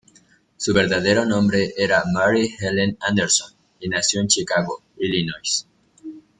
Su verdadero nombre era Mary Helen Anderson, y nació en Chicago, Illinois.